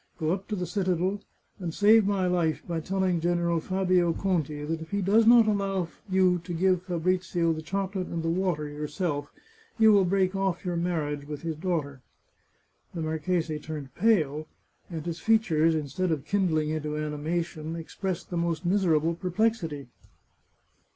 Go up to the citadel, and save my life by telling General Fabio Conti that if he does not allow you to give Fabrizio the chocolate and the water yourself, you will break off your marriage with his daughter." The marchese turned pale, and his features, instead of kindling into animation, expressed the most miserable per plexity.